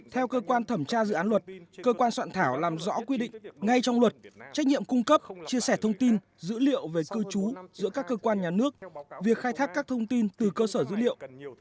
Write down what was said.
theo cơ quan thẩm tra dự án luật cơ quan soạn thảo làm rõ quy định ngay trong luật trách nhiệm cung cấp chia sẻ thông tin dữ liệu về cư trú giữa các cơ quan nhà nước việc khai thác các thông tin từ cơ sở dữ liệu